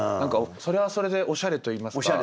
それはそれでおしゃれといいますか。